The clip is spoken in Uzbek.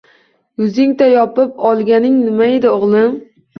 Yuzingta yopib olganing nimaydi, o'g'lim?